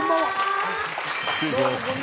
失礼します。